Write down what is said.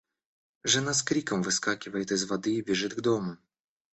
Жена с криком выскакивает из воды и бежит к дому.